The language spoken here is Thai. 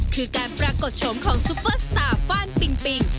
คือการปรากฏชมของซุปเปอร์สตาร์ฟ่านปิงปิง